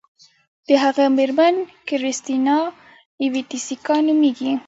د هغه میرمن کریستینا اویتیسیکا نومیږي.